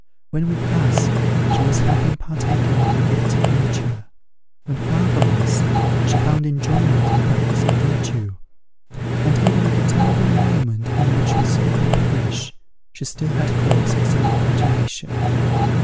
When with us, she was happy in partaking of the gifts of nature; when far from us, she found enjoyment in the practice of virtue; and even at the terrible moment in which we saw her perish, she still had cause for self gratulation.